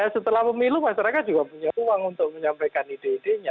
setelah pemilu masyarakat juga punya uang untuk menyampaikan ide idenya